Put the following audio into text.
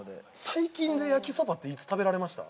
◆最近で焼きそばって、いつ食べられました？